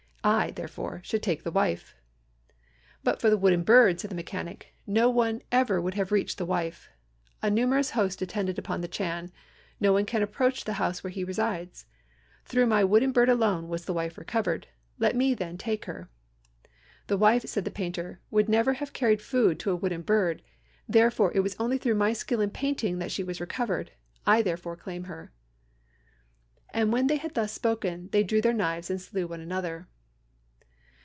I, therefore, should take the wife.' "'But for the wooden bird,' said the mechanic, 'no one would ever have reached the wife. A numerous host attend upon the Chan; no one can approach the house wherein he resides. Through my wooden bird alone was the wife recovered. Let me, then, take her.' "'The wife,' said the painter, 'never would have carried food to a wooden bird; therefore it was only through my skill in painting that she was recovered; I, therefore, claim her.' "And when they had thus spoken, they drew their knives and slew one another."